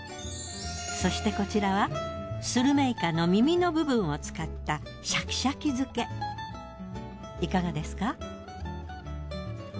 そしてこちらはスルメイカの耳の部分を使ったいかがですか？